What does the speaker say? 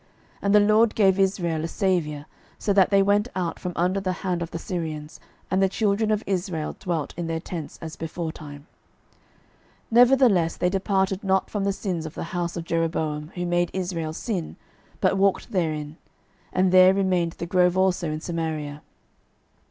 12:013:005 (And the LORD gave Israel a saviour, so that they went out from under the hand of the Syrians: and the children of Israel dwelt in their tents, as beforetime. 12:013:006 Nevertheless they departed not from the sins of the house of Jeroboam, who made Israel sin, but walked therein: and there remained the grove also in Samaria.)